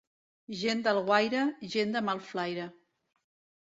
Gent d'Alguaire, gent de mal flaire.